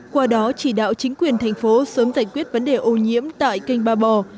qua đó chỉ đạo chính quyền thành phố sớm giải quyết vấn đề ô nhiễm tại kênh ba bò